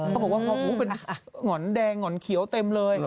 เขาบอกว่าเป็นหง่อนแดงหง่อนเขียวเต็มเลย